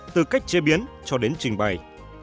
từ cách chế biến cho đến trình bày